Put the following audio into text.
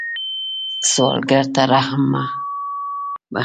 سوالګر ته رحم مه بخلئ